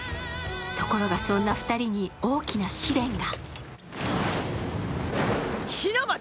ところがそんな２人に大きな試練が。